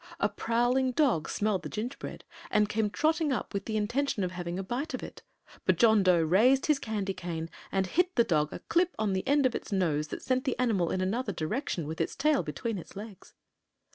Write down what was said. A prowling dog smelled the gingerbread and came trotting up with the intention of having a bite of it; but John Dough raised his candy cane and hit the dog a clip on the end of its nose that sent the animal in another direction with its tail between its legs.